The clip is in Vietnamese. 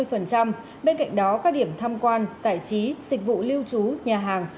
bên cạnh đó các điểm tham quan giải trí dịch vụ lưu trú nhà hàng